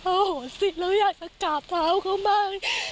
โอ้โหสิแล้วอยากจะกราบเท้าเขามาก